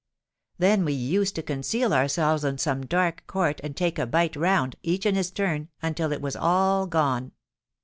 Then we used to conceal ourselves in some dark court, and take a bite round—each in his turn—until it was all gone.